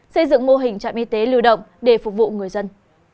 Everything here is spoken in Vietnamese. xây dựng mô hình trạm y tế lưu động để phục vụ người dân